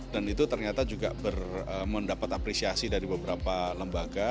dan itu ternyata juga mendapat apresiasi dari beberapa lembaga